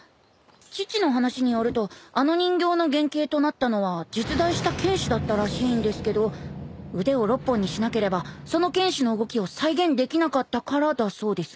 父の話によるとあの人形の原型となったのは実在した剣士だったらしいんですけど腕を６本にしなければその剣士の動きを再現できなかったからだそうです。